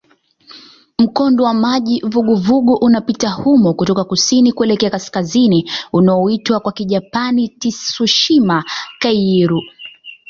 Mkondo wa maji vuguvugu unapita humo kutoka kusini kuelekea kaskazini unaoitwa kwa Kijapani "Tsushima-kairyū".